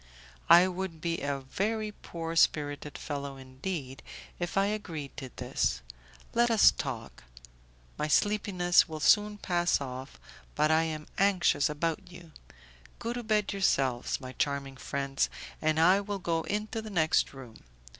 "I would be a very poor spirited fellow indeed, if I agreed to this; let us talk; my sleepiness will soon pass off, but I am anxious about you. Go to bed yourselves, my charming friends, and I will go into the next room.